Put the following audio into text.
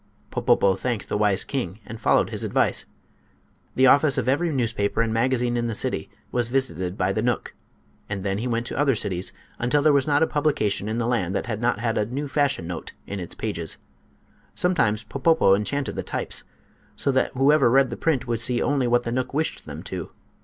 Popopo thanked the wise king and followed his advice. The office of every newspaper and magazine in the city was visited by the knook, and then he went to other cities, until there was not a publication in the land that had not a "new fashion note" in its pages. Sometimes Popopo enchanted the types, so that whoever read the print would see only what the knook wished them to.